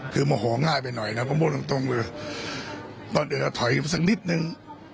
คือโมโหง่ายไปหน่อยนะผมพูดตรงตรงเลยตอนเดี๋ยวจะถอยไปสักนิดนึง